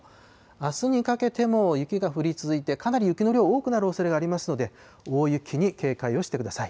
あすにかけても雪が降り続いて、かなり雪の量多くなるおそれがありますので、大雪に警戒をしてください。